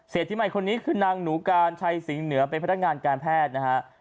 เศรษฐ์ที่ใหม่คนนี้คือนางหนูกานชายสิงห์เหนือเป็นพัฒนาการแพทย์นะฮะ